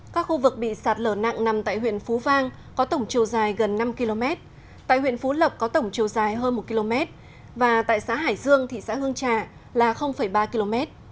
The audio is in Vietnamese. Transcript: các khu vực bị sạt lở nặng nằm tại huyện phú vang có tổng chiều dài gần năm km tại huyện phú lộc có tổng chiều dài hơn một km và tại xã hải dương thị xã hương trà là ba km